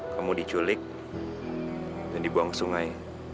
kamu diculik dan dibuang ke sungai